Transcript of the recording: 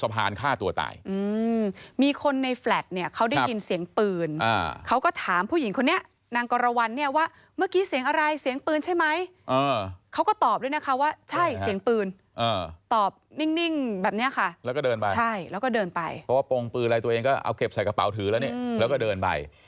เพราะว่าโปรงปืออะไรตัวเองก็เอาเก็บใส่กระเป๋าถือแล้วเนี่ยแล้วก็เดินไป